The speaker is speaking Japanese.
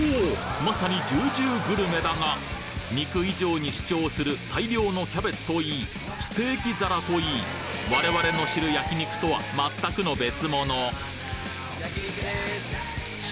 まさにジュージューグルメだが肉以上に主張する大量のキャベツといいステーキ皿といい我々の知る焼き肉とは全くの別物焼肉です。